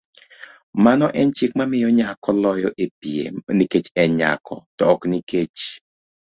mano en chik mamiyo nyako loyo e piem nikech en nyako, to ok nikech